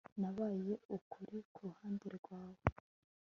nabaye ukuri kuruhande rwawe